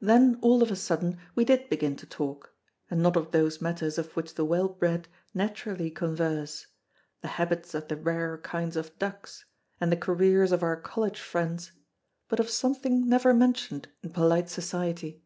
Then all of a sudden we did begin to talk; and not of those matters of which the well bred naturally converse—the habits of the rarer kinds of ducks, and the careers of our College friends, but of something never mentioned in polite society.